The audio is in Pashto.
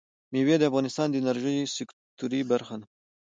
مېوې د افغانستان د انرژۍ سکتور برخه ده.